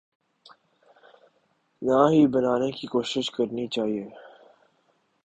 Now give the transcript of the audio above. نہ ہی بنانے کی کوشش کرنی چاہیے۔